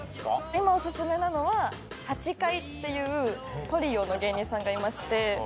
今おすすめなのはハチカイっていうトリオの芸人さんがいまして。